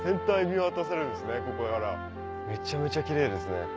めちゃめちゃキレイですね。